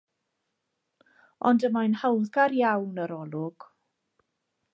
Ond y mae'n hawddgar iawn yr olwg.